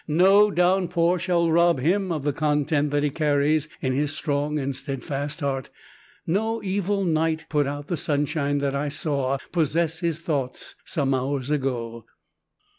No downpour shall rob him of the content that he carries in his strong and steadfast heart; no evil night put out the sunshine that I saw possess his thoughts some hours ago.